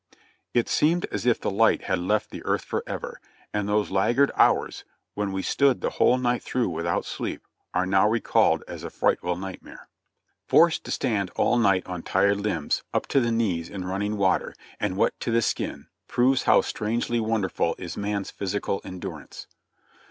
It seemed as if the light had left the earth forever, and those laggard hours, when we stood the whole night through without sleep, are now recalled as a frightful nightmare. Forced to stand all night on IN THE TRENCHES AT YORKTOWN IO5 tired limbs, up to the knees in running water, and wet to the skin, proves how strangely wonderful is man's physical endurance.